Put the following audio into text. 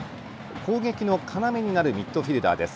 攻撃の要になるミッドフィルダーです。